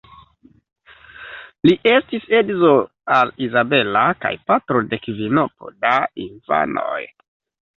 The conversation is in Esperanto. Li estis edzo al Izabela kaj patro de kvinopo da infanoj.